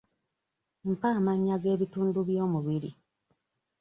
Mpa amannya g'ebitundu by'omubiri.